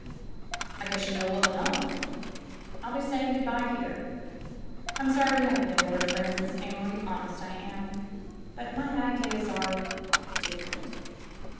'*I guess you know well enough. I'll be saying good by here. I'm sorry we haven't been better friends, Miss Amory, honest I am. But my ideas are different."